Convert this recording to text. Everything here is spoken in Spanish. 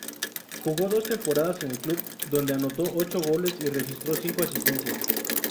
Jugó dos temporadas en el club, donde anotó ocho goles y registró cinco asistencias.